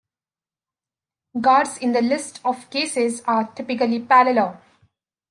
Guards in a list of cases are typically parallel.